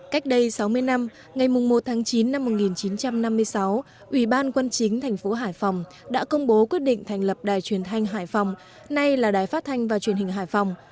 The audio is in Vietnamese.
cách đây sáu mươi năm ngày một tháng chín năm một nghìn chín trăm năm mươi sáu ủy ban quân chính thành phố hải phòng đã công bố quyết định thành lập đài truyền thanh hải phòng nay là đài phát thanh và truyền hình hải phòng